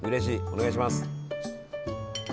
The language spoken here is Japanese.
お願いします！